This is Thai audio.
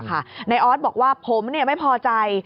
นายออสบอกว่าผมไม่พอใจ